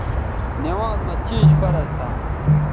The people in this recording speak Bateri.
نِوانز مہ چیش فرض تھا